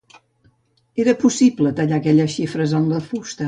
Era possible tallar aquelles xifres en la fusta.